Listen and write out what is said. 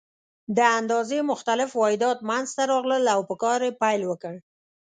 د اندازې مختلف واحدات منځته راغلل او په کار یې پیل وکړ.